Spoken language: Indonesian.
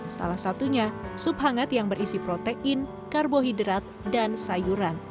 salah satunya sup hangat yang berisi protein karbohidrat dan sayuran